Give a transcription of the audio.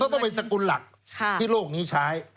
ต้องเป็นสกุลหลักที่โลกนี้ใช้